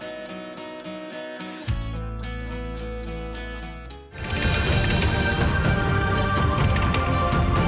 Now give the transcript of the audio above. kita harus memiliki kekuatan yang baik dan kita harus memiliki kekuatan yang baik